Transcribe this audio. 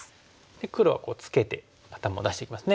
黒はツケて頭を出していきますね。